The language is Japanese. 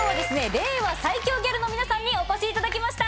令和最強ギャルの皆さんにお越しいただきました。